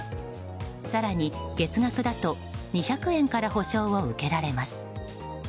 更に月額だと２００円から保障を受けられます。